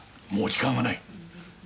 もう時間がない。